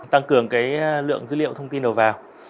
tăng cường lượng dữ liệu thông tin đầu vào